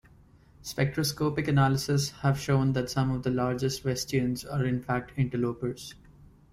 Spectroscopic analyses have shown that some of the largest Vestians are in fact interlopers.